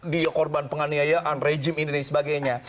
dia korban penganiayaan rejim ini dan sebagainya